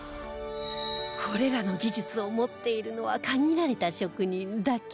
これらの技術を持っているのは限られた職人だけ